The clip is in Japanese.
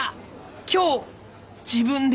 今日自分で。